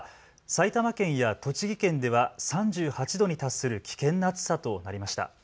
埼玉県や栃木県では３８度に達する危険な暑さとなりました。